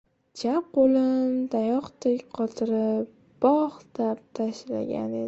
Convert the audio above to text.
Chap qo‘lim tayoqdek qotirib bogTab tashlangan edi.